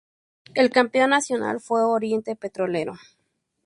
El Campeón Nacional fue Oriente Petrolero.